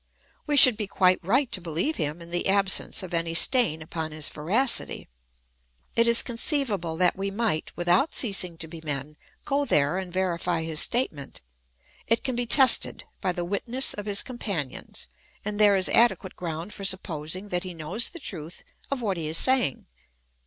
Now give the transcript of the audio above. We should be quite right to beheve him, in the absence of any stain upon his veracity. It is conceivable that we might, without ceasing to be men, go there and verify his statement ; it can be tested by the witness of his companions, and there is adequate ground for supposing that he knows the truth of what he is saying.